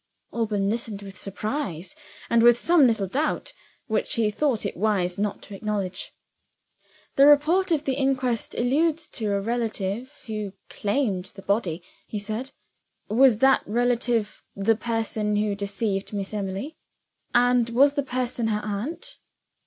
Alban listened with surprise and with some little doubt, which he thought it wise not to acknowledge. "The report of the inquest alludes to a 'relative' who claimed the body," he said. "Was that 'relative' the person who deceived Miss Emily? And was the person her aunt?"